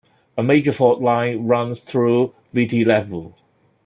A major fault line runs through Viti Levu.